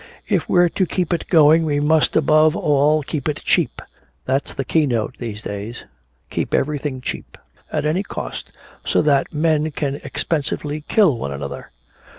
"If we're to keep it going we must above all keep it cheap. That's the keynote these days, keep everything cheap at any cost so that men can expensively kill one another."